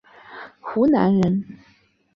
湖南人。